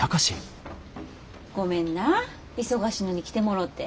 ごめんな忙しいのに来てもろて。